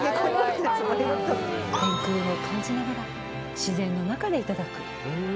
天空を感じながら自然の中でいただく。